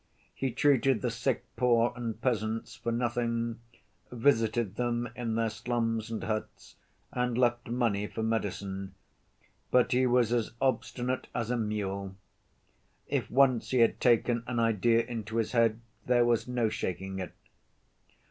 He treated the sick poor and peasants for nothing, visited them in their slums and huts, and left money for medicine, but he was as obstinate as a mule. If once he had taken an idea into his head, there was no shaking it.